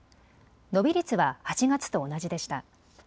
伸び率は８月と同じでした。